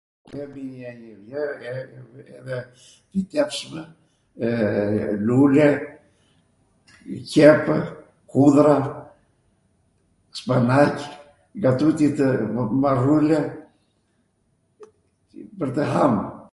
...Fitepswmw. wwww lule, qepw, hudhra, spanaq, nga tuti tw, marule, pwr tw ham.